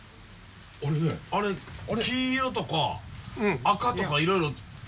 あれ黄色とか赤とかいろいろ。